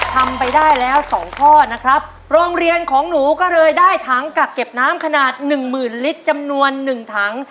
ทำไปได้แล้วสองข้อนะครับโรงเรียนของหนูก็เลยได้ถังกักเก็บน้ำขนาดหนึ่งหมื่นลิตรจำนวนหนึ่งถัง